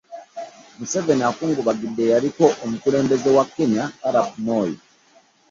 Museveni akungubagidde eyaliko omukulembeze wa Kenya Alap Moi